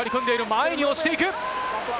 前に押していく。